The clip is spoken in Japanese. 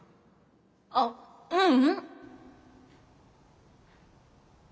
あっううん！